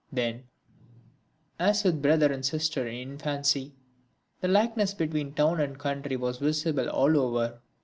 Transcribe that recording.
Then, as with brother and sister in infancy, the likeness between town and country was visible all over.